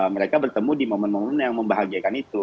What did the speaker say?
mereka bertemu di momen momen yang membahagiakan itu